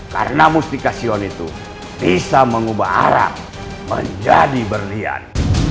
karena mustikasion itu bisa mengubah arab menjadi berlian